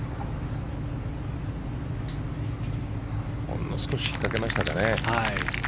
ほんの少し引っかけましたかね。